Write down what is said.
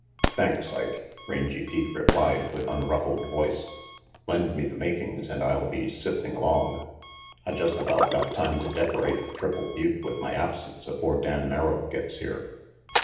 "Thanks, Ike," Rangy Pete replied, with unruffled voice. "Lend me the makings, and I'll be sifting along. I just about got time to decorate Triple Butte with my absence afore Dan Merrill gets here.